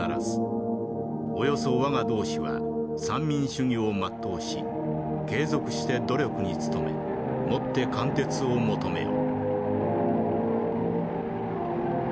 およそ我が同志は三民主義を全うし継続して努力に努めもって貫徹を求めよ」。